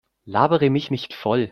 Labere mich nicht voll!